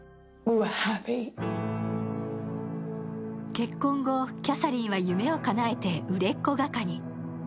結婚後、キャサリンは夢をかなえて売れっ子画家に。